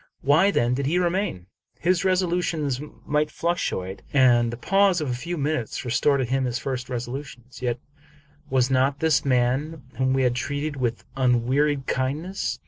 Why then did he remain? His resolutions might fluctuate, and the pause of a few minutes restore to him his first resolutions. Yet was not this the man whom we had treated with un wearied kindness